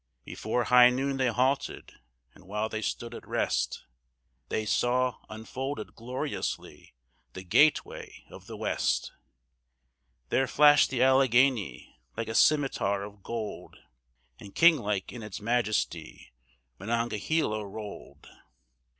Before high noon they halted; and while they stood at rest, They saw, unfolded gloriously, the "Gateway of the West," There flashed the Allegheny, like a scimetar of gold, And king like in its majesty, Monongahela rolled.